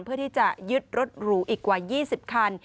เพื่อยึดรูอีกกว่า๒๐คัน